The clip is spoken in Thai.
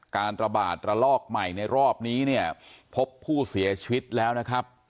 การระบาดระลอกใหม่ในรอบนี้เนี่ยพบผู้เสียชีวิตแล้วนะครับ